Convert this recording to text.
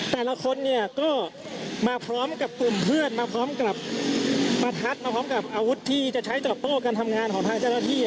แต่ละคนเนี่ยก็มาพร้อมกับกลุ่มเพื่อนมาพร้อมกับประทัดมาพร้อมกับอาวุธที่จะใช้ตอบโต้การทำงานของทางเจ้าหน้าที่